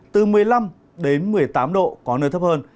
từ một mươi năm đến một mươi tám độ có nơi thấp hơn